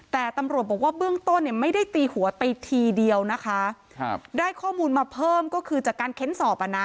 แต่ตำรวจบอกว่าเบื้องต้นเนี่ยไม่ได้ตีหัวไปทีเดียวนะคะครับได้ข้อมูลมาเพิ่มก็คือจากการเค้นสอบอ่ะนะ